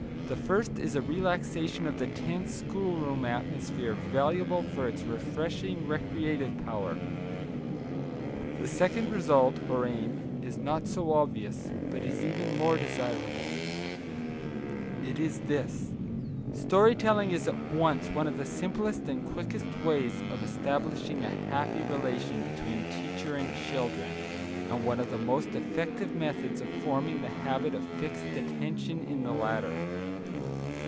The first is a relaxation of the tense schoolroom atmosphere, valuable for its refreshing recreative power. The second result, or aim, is not so obvious, but is even more desirable; it is this: story telling is at once one of the simplest and quickest ways of establishing a happy relation between teacher and children, and one of the most effective methods of forming the habit of fixed attention in the latter.